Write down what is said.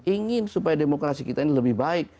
ingin supaya demokrasi kita ini lebih baik